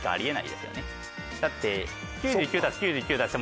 だって。